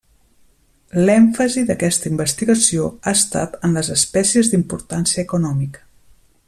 L'èmfasi d'aquesta investigació ha estat en les espècies d'importància econòmica.